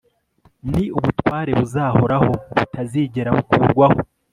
ni ubutware buzahoraho butazigera bukurwaho